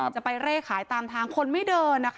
จะไปเร่ขายตามทางคนไม่เดินนะคะ